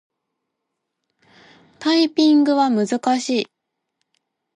タイピングは難しい。